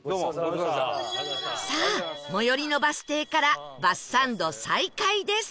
さあ最寄りのバス停からバスサンド再開です